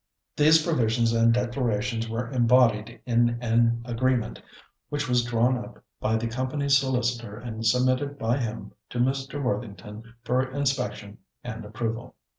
These provisions and declarations were embodied in an agreement, which was drawn up by the company's solicitor and submitted by him to Mr. Worthington for inspection and approval.